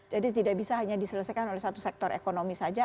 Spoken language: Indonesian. jadi tidak bisa hanya diselesaikan oleh satu sektor ekonomi saja